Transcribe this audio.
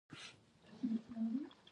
هندوکش د اقلیمي نظام یو ښکارندوی دی.